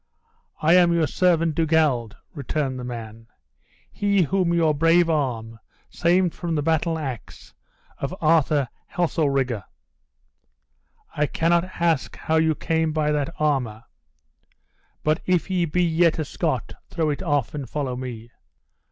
"I am your servant Dugald," returned the man; "he whom your brave arm saved from the battle ax of Arthur Heselrigge." "I cannot ask you how you came by that armor; but if you be yet a Scot throw it off and follow me."